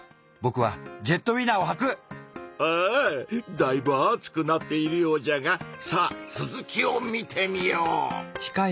だいぶ熱くなっているようじゃがさあ続きを見てみよう！